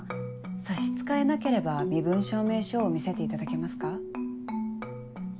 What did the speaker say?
差し支えなければ身分証明書を見せていただけますか。